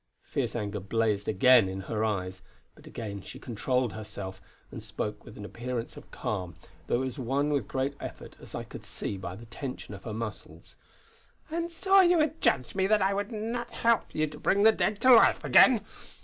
Fierce anger blazed again in her eyes; but again she controlled herself and spoke with an appearance of calm, though it was won with great effort, as I could see by the tension of her muscles: "An' so ye would judge me that I would not help ye to bring the Dead to life again!